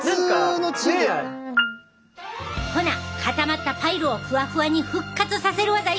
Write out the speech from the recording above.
ほな固まったパイルをふわふわに復活させる技いくで！